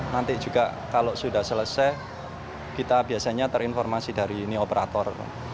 nanti juga kalau sudah selesai kita biasanya terinformasi dari ini operator